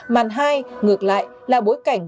màn hai ngược lại là bối cảnh